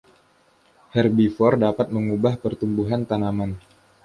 Herbivor dapat mengubah pertumbuhan tanaman.